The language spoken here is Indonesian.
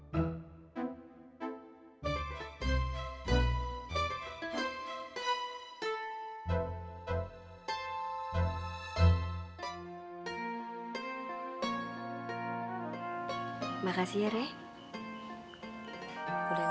terima kasih ya reh